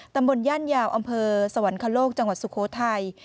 ตำบลย่านยาวอำเภอสวรรคโลกจังหวัดสุโขทัย